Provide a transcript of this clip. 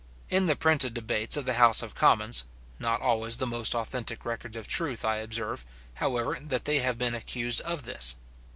In the printed debates of the house of commons, not always the most authentic records of truth, I observe, however, that they have been accused of this.